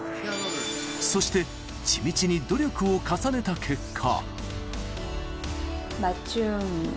そして、地道に努力を重ねた結果。